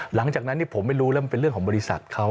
หลังจากนั้นผมไม่รู้แล้วมันเป็นเรื่องของบริษัทเขา